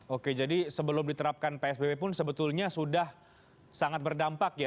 oke jadi sebelum diterapkan psbb pun sebetulnya sudah sangat berdampak ya